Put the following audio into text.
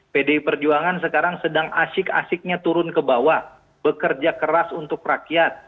pdi perjuangan sekarang sedang asik asiknya turun ke bawah bekerja keras untuk rakyat